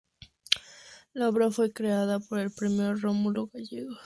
La obra fue acreedora del Premio Rómulo Gallegos.